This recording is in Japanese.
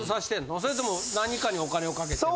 それとも何かにお金をかけてるとか。